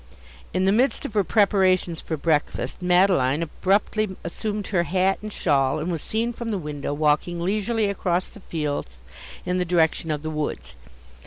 In the midst of her preparations for breakfast, Madeline abruptly assumed her hat and shawl, and was seen from the window, walking leisurely across the fields in the direction of the woods.